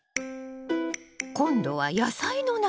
今度は野菜の苗？